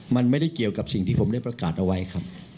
มันไม่ได้เกี่ยวกับสิ่งที่ผมได้ประกาศเอาไว้ครับ